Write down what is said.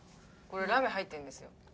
これラメ入ってるんですよ。